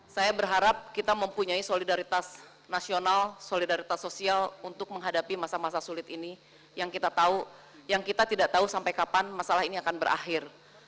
saya berharap kita mempunyai solidaritas nasional solidaritas sosial untuk menghadapi masa masa sulit ini yang kita tidak tahu sampai kapan masalah ini akan berakhir